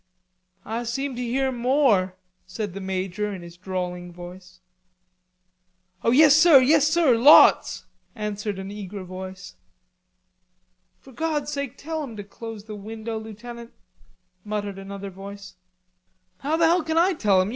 "I seem to hear more," said the major, in his drawling voice. "O yes sir, yes sir, lots," answered an eager voice. "For God's sake tell him to close the window, Lieutenant," muttered another voice. "How the hell can I tell him?